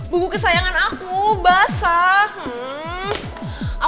buku kesayangan aku basah